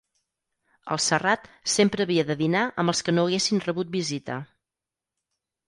El Serrat sempre havia de dinar amb els que no haguessin rebut visita.